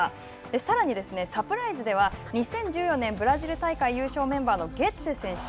さらにですね、サプライズでは２０１４年ブラジル大会優勝メンバーのゲッツェ選手。